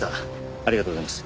ありがとうございます。